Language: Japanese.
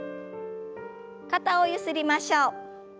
肩をゆすりましょう。